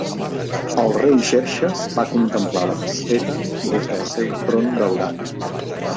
El rei Xerxes va contemplar la desfeta des del seu tron daurat.